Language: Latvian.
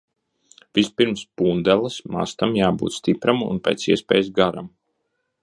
Vispirms pundeles mastam jābūt stipram un pēc iespējas garam.